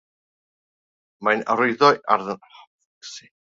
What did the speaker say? Mae'n arwyddo iddo gyda'i law i beidio â mynd i ffwrdd.